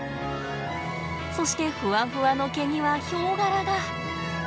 そしてふわふわの毛にはヒョウ柄が！